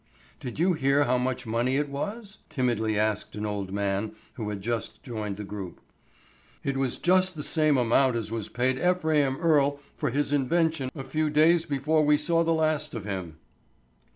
"Did you hear how much money it was?" timidly asked an old man who had just joined the group. "It was just the same amount as was paid Ephraim Earle for his invention a few days before we saw the last of him."